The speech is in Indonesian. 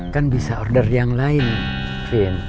kan bisa order yang lain vin